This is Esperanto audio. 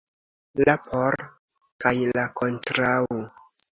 La "por" kaj la "kontraŭ".